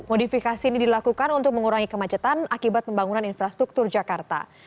modifikasi ini dilakukan untuk mengurangi kemacetan akibat pembangunan infrastruktur jakarta